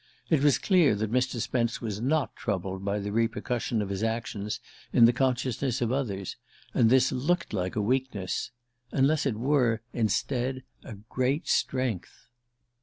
It was clear that Mr. Spence was not troubled by the repercussion of his actions in the consciousness of others; and this looked like a weakness unless it were, instead, a great strength.